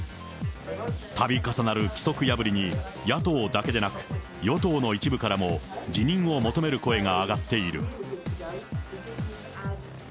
たび重なる規則破りに、野党だけでなく、与党の一部からも、辞任を求める声が上がっている。